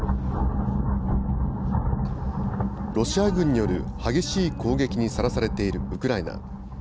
ロシア軍による激しい攻撃にさらされているウクライナ。